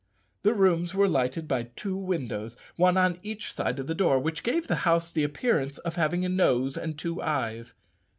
The rooms were lighted by two windows, one on each side of the door, which gave to the house the appearance of having a nose and two eyes.